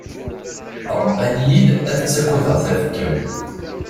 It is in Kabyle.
Ṛebban-iyi-d ad ttaggadeɣ tafekka-w.